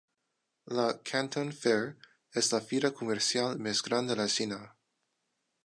La Canton Fair és la fira comercial més gran de la Xina.